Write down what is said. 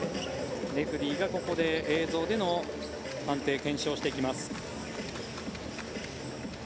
レフェリーがここで映像での判定検証をしていきます。